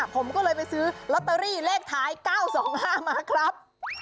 ผมก็เลยไปซื้อลอตเตอรี่เลขท้าย๙๒๕มาครับ